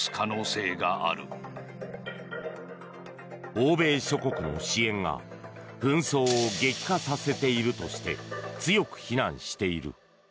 欧米諸国の支援が紛争を激化させているとして強く非難している。